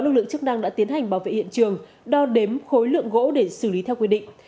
lực lượng chức năng đã tiến hành bảo vệ hiện trường đo đếm khối lượng gỗ để xử lý theo quy định